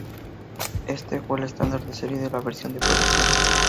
Este, fue el estándar de serie de la versión de producción.